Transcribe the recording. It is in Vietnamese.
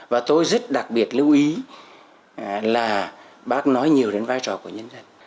và tôi rất đặc biệt lưu ý là bác nói nhiều đến vai trò của nhân dân